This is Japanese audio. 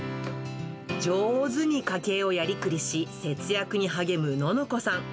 上手に家計をやり繰りし、節約に励むののこさん。